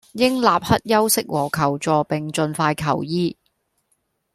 應立刻休息和求助，並盡快求醫